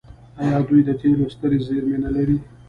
آیا دوی د تیلو سترې زیرمې نلري؟